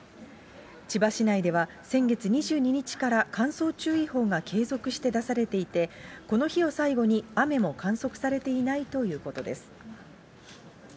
千葉市内では先月２２日から乾燥注意報が継続して出されていて、この日を最後に雨も観測されていないということです。